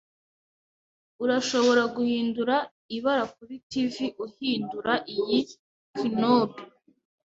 Urashobora guhindura ibara kuri TV uhindura iyi knob.